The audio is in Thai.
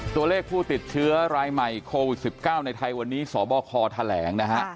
ตัวเลขผู้ติดเชื้อรายใหม่โควิด๑๙ในไทยวันนี้สบคแถลงนะฮะ